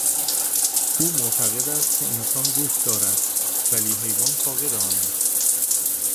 او معتقد است که انسان روح دارد ولی حیوان فاقد آن است.